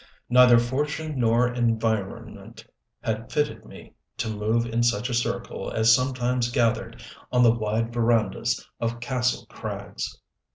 Neither fortune nor environment had fitted me to move in such a circle as sometimes gathered on the wide verandas of Kastle Krags.